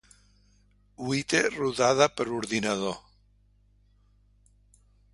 White rodada per ordinador.